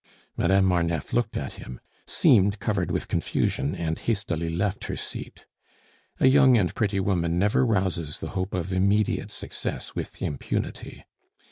Madame Marneffe looked at him, seemed covered with confusion, and hastily left her seat. A young and pretty woman never rouses the hope of immediate success with impunity.